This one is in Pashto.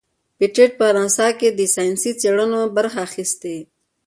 پېټټ په ناسا کې د ساینسي څیړنو برخه اخیستې.